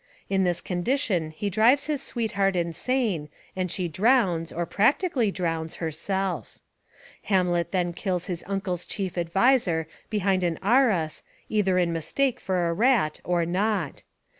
In this condition he drives his sweetheart insane and she drowns, or practically drowns, herself. Hamlet then kills his uncle's chief ad viser behind an arras either in mistake for a rat, or not.